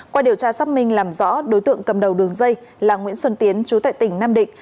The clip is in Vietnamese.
qua điều tra xác minh làm rõ đối tượng cầm đầu đường dây là nguyễn xuân tiến chú tại tỉnh nam định